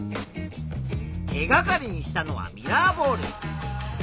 手がかりにしたのはミラーボール。